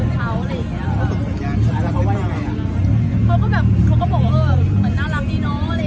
คือจริงจะบอกว่ารายการมันเป็นรายการเชียร์